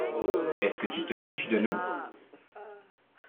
Est-ce que tu te fiches de nous ?